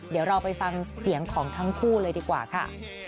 เดี๋ยวเราไปฟังเสียงของทั้งคู่เลยดีกว่าค่ะ